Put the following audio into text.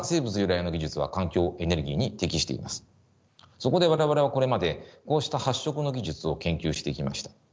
そこで我々はこれまでこうした発色の技術を研究してきました。